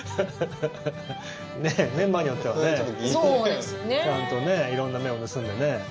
メンバーによってはねちゃんとね色んな目を盗んでね。